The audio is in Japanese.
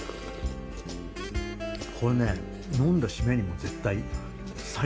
これね呑んだシメにも絶対。